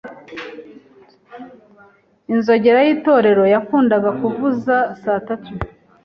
Inzogera yitorero yakundaga kuvuza saa tatu.